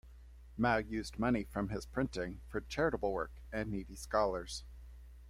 Mao used money from his printing for charitable work and needy scholars.